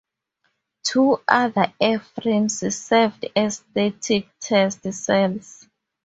Two other airframes served as a static test cells.